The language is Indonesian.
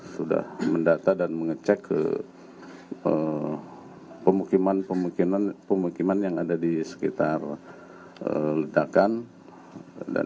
sudah mendata dan mengecek ke pemukiman pemukiman pemukiman yang ada di sekitar ledakan dan